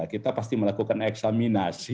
kita pasti melakukan eksaminasi